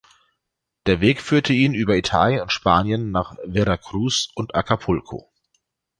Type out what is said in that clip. Der Weg führte ihn über Italien und Spanien nach Veracruz und Acapulco.